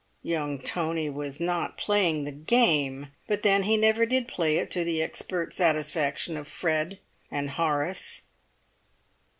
Young Tony was not "playing the game"; but then he never did play it to the expert satisfaction of Fred and Horace.